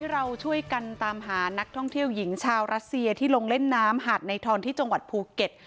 เราช่วยกันตามหานักท่องเที่ยวหญิงชาวรัสเซียที่ลงเล่นน้ำหาดในทอนที่จังหวัดภูเก็ต